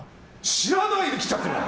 知らないで来ちゃったよ。